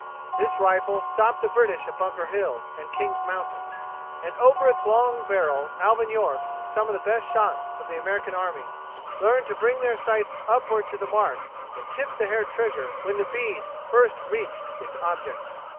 This rifle stopped the British at Bunker Hill and Kings Mountain, and over its long barrel Alvin York and some of the best shots of the American army learned to bring their sights upward to the mark and tip the hair trigger when the bead first reached its object.